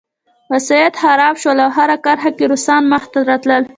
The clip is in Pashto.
وسایط خراب شول او په هره کرښه کې روسان مخته راتلل